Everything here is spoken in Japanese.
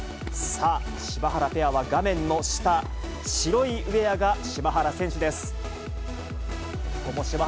さあ、柴原ペアは画面の下、白いウエアが柴原選手です。